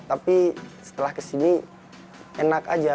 tapi setelah kesini enak aja